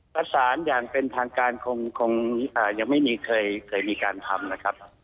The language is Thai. ประสานอย่างเป็นทางการคงยังไม่เคยมีการทำนะครับ